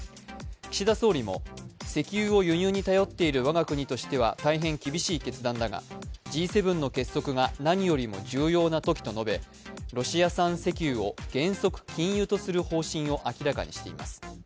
岸田総理も石油を輸入に頼っている我が国としては大変厳しい決断だが、Ｇ７の結束が何よりも重要な時と述べ、ロシア産石油を原則、禁輸とする方針を明らかにしています。